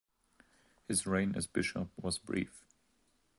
His reign as bishop was brief.